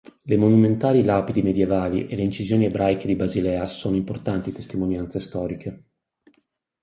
Le monumentali lapidi medievali e le incisioni ebraiche di Basilea sono importanti testimonianze storiche.